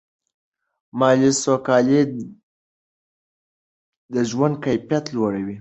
مالي سوکالي د ژوند کیفیت لوړوي.